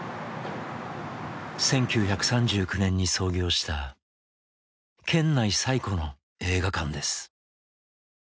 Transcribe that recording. １９３９年に創業した県内最古の映画館です。